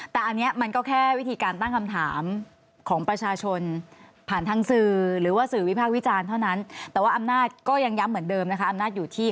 แต่อันนี้มันก็แค่วิธีการตั้งคำถามของประชาชนผ่านทางสื่อหรือว่าสื่อวิพากษ์วิจารณ์เท่านั้น